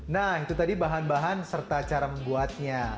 nah itu tadi bahan bahan serta cara membuatnya